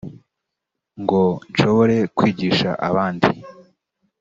ngo nshobore kwigisha abandi